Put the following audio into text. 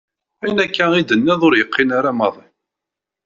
Ayen akka i d-tenniḍ ur yeqqin ara maḍi!